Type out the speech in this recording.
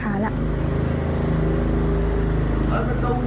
แกี้วแน่แกี้วแกี้ว